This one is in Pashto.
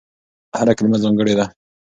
هره کلمه ځانګړې ده.